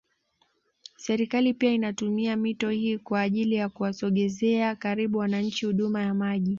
Serikali pia inaitumia mito hii kwa ajili ya kuwasogezeaa karibu wananchi huduma ya maji